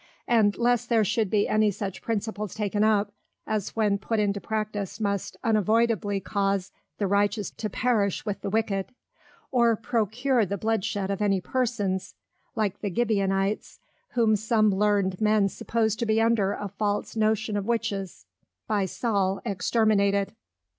and lest there should be any such Principles taken up, as when put into Practice must unavoidably cause the Righteous to perish with the Wicked; or procure the Bloodshed of any Persons, like the Gibeonites, whom some learned Men suppose to be under a false Notion of Witches, by Saul exterminated.